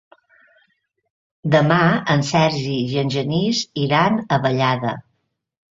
Demà en Sergi i en Genís iran a Vallada.